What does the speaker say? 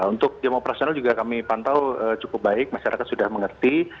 untuk jam operasional juga kami pantau cukup baik masyarakat sudah mengerti